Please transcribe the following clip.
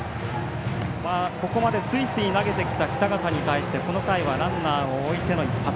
ここまですいすい投げてきた北方に対してこの回はランナーを置いての一発。